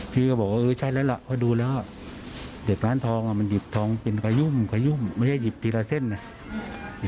พี่ก็บอกเออใช่แล้วล่ะเขาดูแล้วเด็กร้านทองมันหยิบทองเป็นกระยุ่มกระยุ่มไม่ได้หยิบทีละเส้นน่ะ